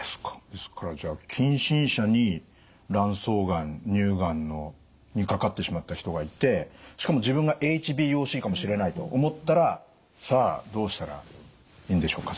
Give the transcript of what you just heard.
ですからじゃあ近親者に卵巣がん乳がんにかかってしまった人がいてしかも自分がＨＢＯＣかもしれないと思ったらさあどうしたらいいんでしょうか？